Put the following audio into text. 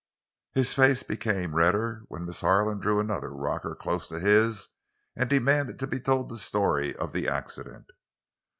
His face became redder when Miss Harlan drew another rocker close to his and demanded to be told the story of the accident.